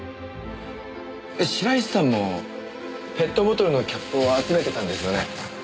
えっ白石さんもペットボトルのキャップを集めてたんですよね？